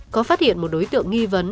có phát hiện một đối tượng nghi vấn